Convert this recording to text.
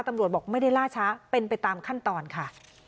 ตำรวจบอกไม่ได้ล่าช้าเป็นไปตามขั้นตอนค่ะ